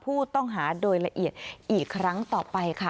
ผู้ต้องหาโดยละเอียดอีกครั้งต่อไปค่ะ